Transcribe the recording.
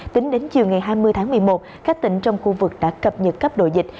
tính đến chiều ngày hai mươi tháng một mươi một các tỉnh trong khu vực đã cập nhật cấp độ dịch